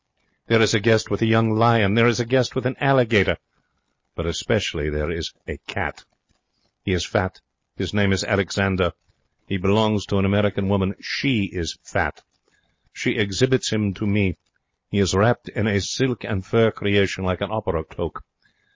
There is a guest with a young lion. There is a guest with an alligator. But especially there is a cat. He is fat. His name is Alexander. He belongs to an American woman. She is fat. She exhibits him to me. He is wrapped in a silk and fur creation like an opera cloak.